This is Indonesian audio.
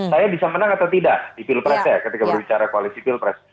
saya bisa menang atau tidak di pilpres ya ketika berbicara koalisi pilpres